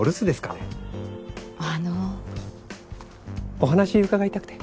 お話伺いたくて。